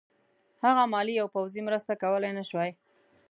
هغه مالي او پوځي مرسته کولای نه شوای.